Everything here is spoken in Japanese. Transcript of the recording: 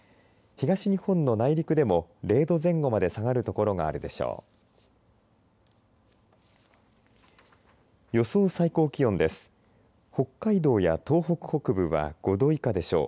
東日本の内陸でも０度前後まで下がる所があるでしょう。